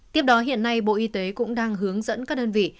tiếp đó hiện nay bộ y tế cũng đang hướng dẫn các đơn vị